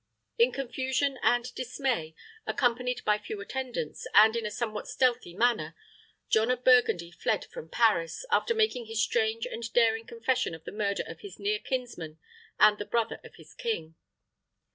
In confusion and dismay, accompanied by few attendants, and in a somewhat stealthy manner, John of Burgundy fled from Paris, after making his strange and daring confession of the murder of his near kinsman, and the brother of his king.